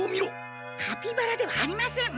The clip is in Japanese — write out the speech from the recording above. カピバラではありません。